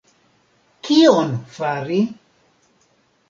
Kion Fari?